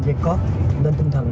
để lên dây cót lên tinh thần